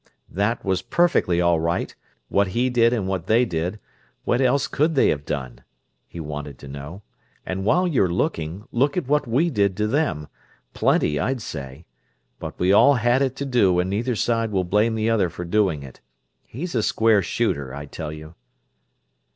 "That was perfectly all right, what he did and what they did what else could they have done?" he wanted to know. "And while you're looking, look at what we did to them plenty, I'd say. But we all had it to do, and neither side will blame the other for doing it. He's a square shooter, I tell you."